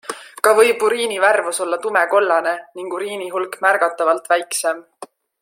Ka võib uriini värvus olla tumekollane ning uriini hulk märgatavalt väiksem.